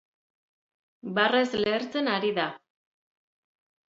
Barrez lehertzen ari da.